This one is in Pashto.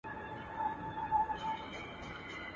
له تر بور سره پخوا هډونه مات وه.